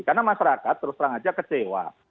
karena masyarakat terus terang aja kecewa